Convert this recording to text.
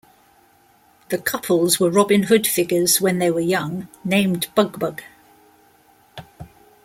The couples were Robin Hood figures when they were young, named BugBug.